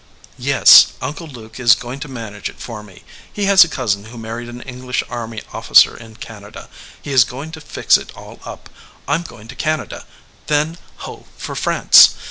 "Yes, Uncle Luke is going to manage it for me. He has a cousin who married an English army officer in Canada. He is going to fix it all up. I m going to Canada, then ho for France